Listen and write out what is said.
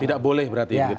tidak boleh berarti